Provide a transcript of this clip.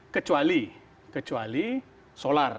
kecuali kecuali solar